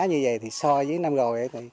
như vậy thì so với năm rồi